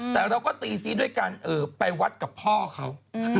แต่เราก็ตีซีด้วยการไปวัดกับพ่อเขา